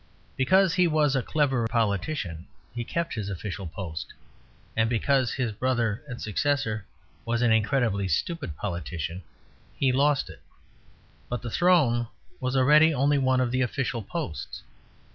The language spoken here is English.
Because he was a clever politician he kept his official post, and because his brother and successor was an incredibly stupid politician, he lost it; but the throne was already only one of the official posts.